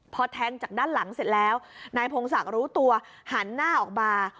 พอแทงจากด้านหลังเสร็จแล้วนายพงศักดิ์รู้ตัวหันหน้าออกมา